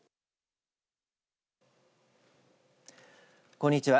こんにちは。